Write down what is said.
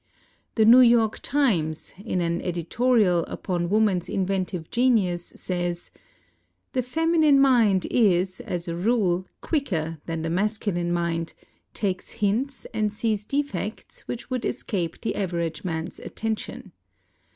The New York " Times," in an editorial upon woman's inventive genius, says :" The feminine mind is, as a rule, quicker than the masculine mind; takes hints and sees defects which would escape the average man's attention.